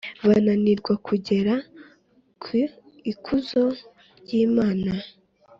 bananirwa kugera ku ikuzo ry’Imana